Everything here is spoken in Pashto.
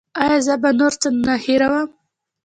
ایا زه به نور نه هیروم؟